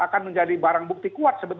yang akan menjadi barang bukti kuat sebetulnya